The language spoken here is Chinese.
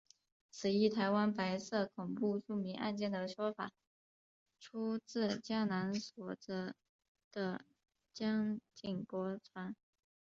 此一台湾白色恐怖著名案件的说法出自江南所着的蒋经国传。